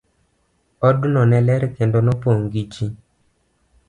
Odno ne ler kendo nopong' gi ji.